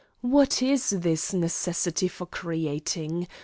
What is this necessity for creating!